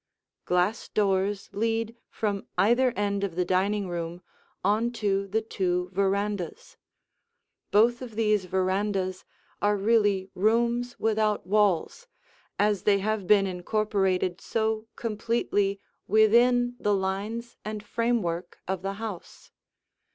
Glass doors lead from either end of the dining room on to the two verandas. Both of these verandas are really rooms without walls, as they have been incorporated so completely within the lines and framework of the house.